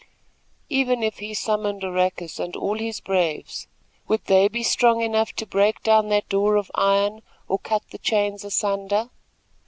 Even if he summoned Oracus and all his braves, would they be strong enough to break down that door of iron, or cut the chains asunder!